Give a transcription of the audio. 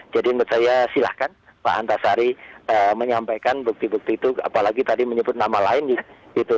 menurut saya silahkan pak antasari menyampaikan bukti bukti itu apalagi tadi menyebut nama lain ya gitu